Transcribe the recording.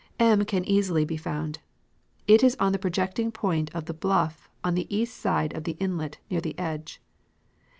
M can easily be found. It is on the projecting point of the bluff on the east side of the inlet near the edge.